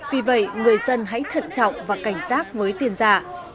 vì vậy người dân hãy thận trọng và cảnh giác với tiền giả